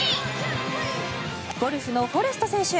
ゴルフのフォレスト選手。